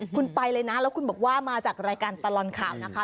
คุณไปเลยนะแล้วคุณบอกว่ามาจากรายการตลอดข่าวนะคะ